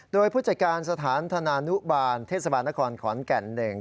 โดยผู้จัดการสถานธนานุบาลเทศบาลนครขอนแก่นเอง